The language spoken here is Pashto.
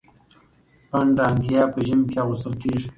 پنډه انګيا په ژمي کي اغوستل کيږي.